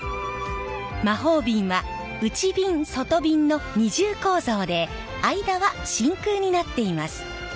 魔法瓶は内びん外びんの二重構造で間は真空になっています。